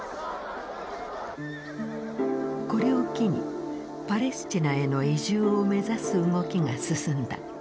これを機にパレスチナへの移住を目指す動きが進んだ。